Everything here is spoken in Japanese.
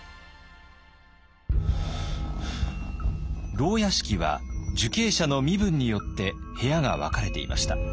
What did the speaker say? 牢屋敷は受刑者の身分によって部屋が分かれていました。